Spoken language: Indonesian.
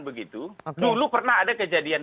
begitu dulu pernah ada kejadian